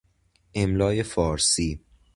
املای فارسی